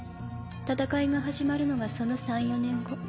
戦いが始まるのがその３４年後。